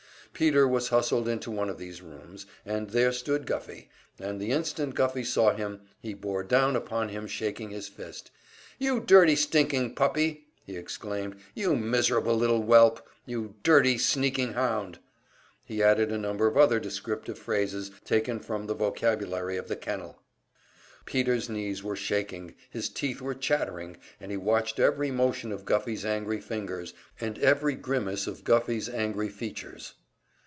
Peter was hustled into one of these rooms, and there stood Guffey; and the instant Guffey saw him, he bore down upon him, shaking his fist. "You stinking puppy!" he exclaimed. "You miserable little whelp! You dirty, sneaking hound!" He added a number of other descriptive phrases taken from the vocabulary of the kennel. Peter's knees were shaking, his teeth were chattering, and he watched every motion of Guffey's angry fingers, and every grimace of Guffey's angry features.